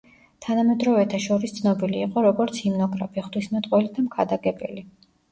თანამედროვეთა შორის ცნობილი იყო როგორც ჰიმნოგრაფი, ღვთისმეტყველი და მქადაგებელი.